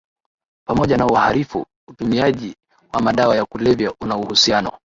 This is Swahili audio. Pamoja na uharifu utumiaji wa madawa ya kulevya una uhusiano